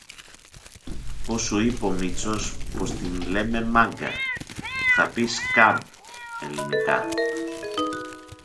Αφού σου είπε ο Μήτσος πως τον λέμε Μάγκα, που θα πει Σκαμπ ελληνικά.